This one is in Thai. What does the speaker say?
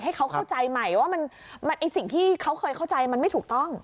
ให้เขาเข้าใจใหม่ว่าสิ่งที่เขาเคยเข้าใจมันไม่ถูกต้อง